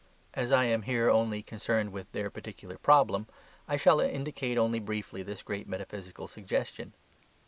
As I am here only concerned with their particular problem, I shall indicate only briefly this great metaphysical suggestion.